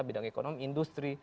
bidang ekonomi industri